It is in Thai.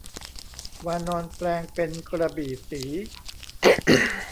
วานรแปลงเป็นกระบี่ศรี